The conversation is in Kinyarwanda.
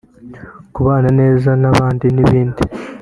kubana neza n'abandi n'ibindi